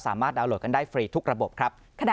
ดาวนโหลดกันได้ฟรีทุกระบบครับ